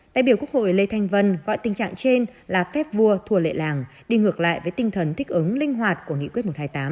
đại biểu quốc hội lê thanh vân gọi tình trạng trên là phép vua thua lệ làng đi ngược lại với tinh thần thích ứng linh hoạt của nghị quyết một trăm hai mươi tám